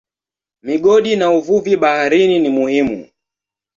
Migodi na uvuvi baharini ni muhimu.